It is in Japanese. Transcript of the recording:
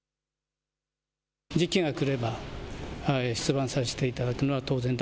時期が来れば出馬をさせていただくのは当然だ。